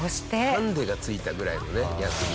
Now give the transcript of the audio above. ハンデがついたぐらいだねヤツに。